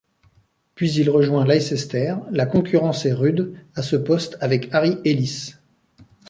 Puis il rejoint Leicester, la concurrence est rude à ce poste avec Harry Ellis.